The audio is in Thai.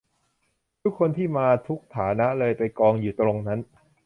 คนทุกที่มาทุกฐานะเลยไปกองอยู่ตรงนั้น